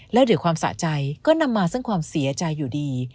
แล้วเดี๋ยวความสะใจก็นำมาซึ่งความเสียใจอยู่ดี